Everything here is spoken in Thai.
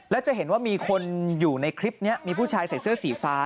แล้วจะเห็นว่ามีคนอยู่ในคลิปนี้มีผู้ชายใส่เสื้อสีฟ้า